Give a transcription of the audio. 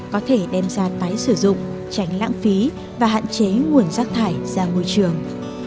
có thể đem ra tái sử dụng tránh lãng phí và hạn chế nguồn rác thải ra môi trường